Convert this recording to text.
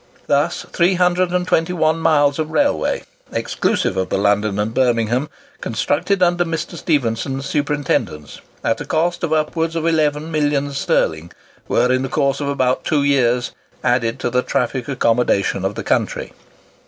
Thus 321 miles of railway (exclusive of the London and Birmingham) constructed under Mr. Stephenson's superintendence, at a cost of upwards of eleven millions sterling, were, in the course of about two years, added to the traffic accommodation of the country.